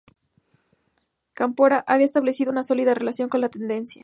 Cámpora había establecido una sólida relación con "La Tendencia".